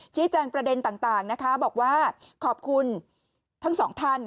แจ้งประเด็นต่างนะคะบอกว่าขอบคุณทั้งสองท่าน